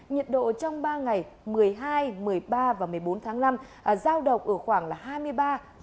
nhiệt độ trong ba ngày một mươi hai một mươi ba và một mươi bốn tháng năm giao độc ở khoảng hai mươi ba ba mươi ba độ c